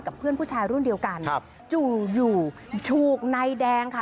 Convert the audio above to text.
กับเพื่อนผู้ชายรุ่นเดียวกันจุ่งอยู่ถูกในแดงค่ะ